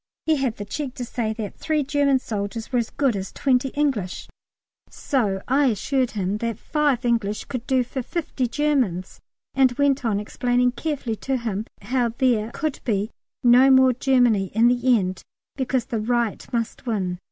He had the cheek to say that three German soldiers were as good as twenty English, so I assured him that five English could do for fifty Germans, and went on explaining carefully to him how there could be no more Germany in the end because the right must win!